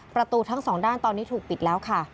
ประตูทั้งสองด้านตอนนี้ถูกปิดแล้วค่ะ